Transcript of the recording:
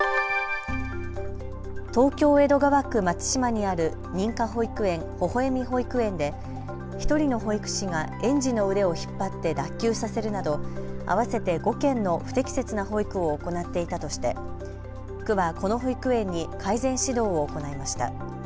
東京江戸川区松島にある認可保育園ほほえみ保育園で１人の保育士が園児の腕を引っ張って脱臼させるなど合わせて５件の不適切な保育を行っていたとして区はこの保育園に改善指導を行いました。